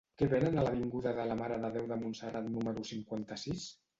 Què venen a l'avinguda de la Mare de Déu de Montserrat número cinquanta-sis?